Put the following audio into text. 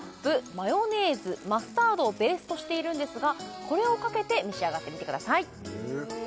マヨネーズマスタードをベースとしているんですがこれをかけて召し上がってみてください